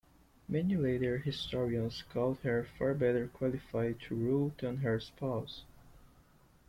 Many later historians called her far better qualified to rule than her spouse.